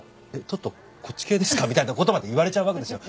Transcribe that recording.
「ちょっとこっち系ですか」みたいなことまで言われちゃうわけですよ。